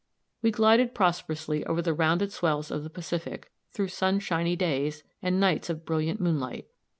We glided prosperously over the rounded swells of the Pacific, through sunshiny days, and nights of brilliant moonlight.